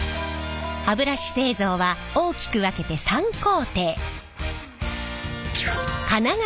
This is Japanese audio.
歯ブラシ製造は大きく分けて３工程。